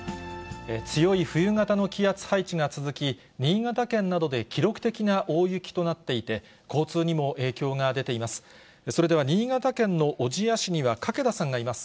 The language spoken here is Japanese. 強い冬型の気圧配置が続き、新潟県などで記録的な大雪となっていて、交通にも影響が出ています。